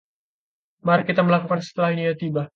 Mari kita melakukannya setelah ia tiba.